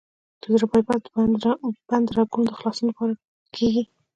د زړه بای پاس د بندو رګونو د خلاصون لپاره کېږي.